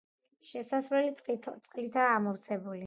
შესასვლელი წყლითაა ამოვსებული.